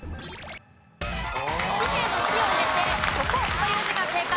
氏名の「氏」を入れて「底」という字が正解。